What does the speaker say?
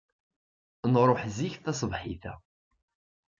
Nṛuḥ zik tasebḥit-a.